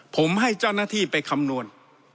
ผมให้เจ้าหน้าที่ไปคำนวณ